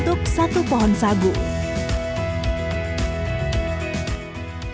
dengan kekuasaan yang lebih baik